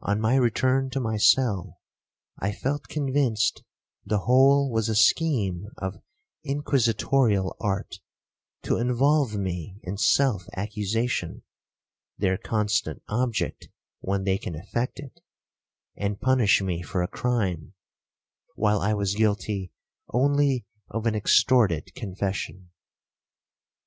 On my return to my cell, I felt convinced the whole was a scheme of inquisitorial art, to involve me in self accusation, (their constant object when they can effect it), and punish me for a crime, while I was guilty only of an extorted confession.